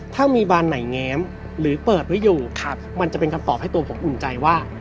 ถ้ามีบานไหนแง้มหรือเปิดไว้อยู่มันจะเป็นคำตอบให้ตัวผมอุ่นใจว่า